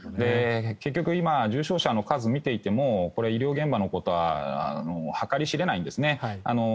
結局今、重症者の数を見ていても医療現場のことは計り知れないんですね。